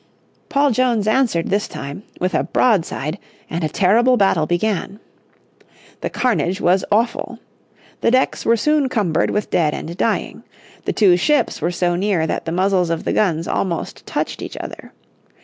Paul Jones answered this time with a broadside and a terrible battle began. The carnage was awful. The decks were soon cumbered with dead and dying. The two ships were so near that the muzzles of the guns almost touched each other.